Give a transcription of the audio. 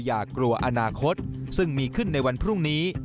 อย่ากลัวอนาคตซึ่งมีขึ้นในวันพรุ่งนี้